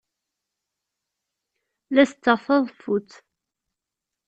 La setteɣ taḍeffut.